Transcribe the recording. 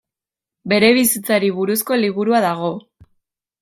Bere bizitzari buruzko liburua dago.